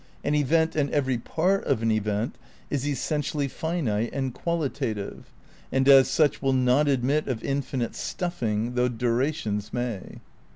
An event and every part of an event is essentially finite and qualitative, and as such will not admit of infinite stuffing, though durations may.